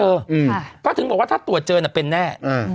อืมก็ถึงบอกว่าถ้าตรวจเจอน่ะเป็นแน่